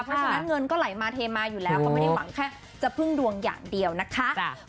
เพราะฉะนั้นเงินก็ไหลมาเทมาอยู่แล้วก็ไม่ได้หวังแค่จะพึ่งดวงอย่างเดียวนะคะ